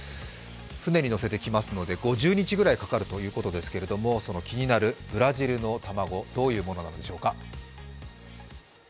船に載せてきますので、５０日くらいかかるということですけれども、その気になるブラジルの卵、どういうものなのでしょうか。